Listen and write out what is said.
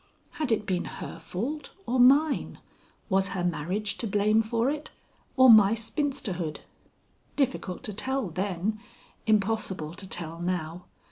Had it been her fault or mine? Was her marriage to blame for it or my spinsterhood? Difficult to tell then, impossible to tell now.